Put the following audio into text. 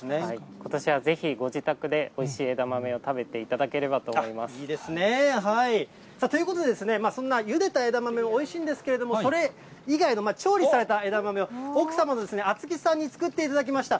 ことしはぜひご自宅でおいしい枝豆を食べていただければと思いまいいですね。ということで、そんなゆでた枝豆もおいしいんですけれども、それ以外の調理された枝豆を、奥様の亜津希さんに作っていただきました。